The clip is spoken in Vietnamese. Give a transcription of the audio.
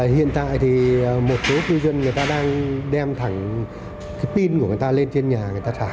hiện tại thì một số cư dân người ta đang đem thẳng cái pin của người ta lên trên nhà người ta xả